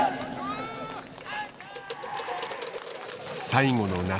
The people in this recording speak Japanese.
最後の夏。